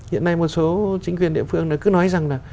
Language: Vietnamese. hiện nay một số chính quyền địa phương cứ nói rằng là